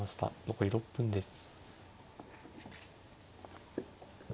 残り６分です。